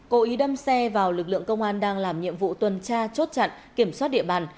cố ý đâm xe vào lực lượng công an đang làm nhiệm vụ tuần tra chốt chặn kiểm soát địa bàn